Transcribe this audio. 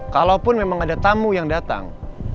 kalaupun memang ada tamu yang datang